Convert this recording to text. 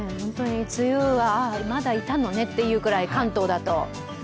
梅雨はまだいたのねというぐらい、関東だと。